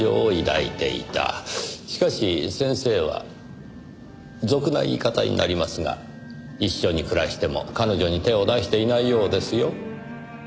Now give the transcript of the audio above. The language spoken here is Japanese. しかし先生は俗な言い方になりますが一緒に暮らしても彼女に手を出していないようですよ。